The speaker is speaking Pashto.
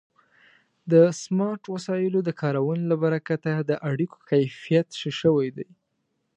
د سمارټ وسایلو د کارونې له برکته د اړیکو کیفیت ښه شوی دی.